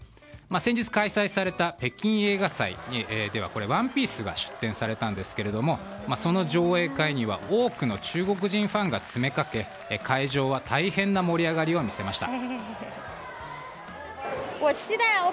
先日開催された北京映画祭では「ワンピース」が出展されたんですがその上映会には多くの中国人ファンが詰めかけ、会場は大変な盛り上がりを見せました。